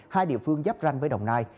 hai địa phương giáp ranh với đồng nai